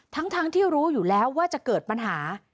ทั้งที่รู้อยู่แล้วว่าจะเกิดปัญหา